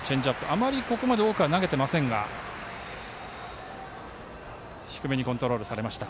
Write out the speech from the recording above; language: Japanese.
あまりここまで多くは投げていませんが低めにコントロールされました。